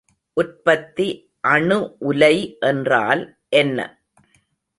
உற்பத்தி அணு உலை என்றால் என்ன?